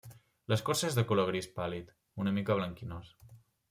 L'escorça és de color gris pàl·lid, una mica blanquinós.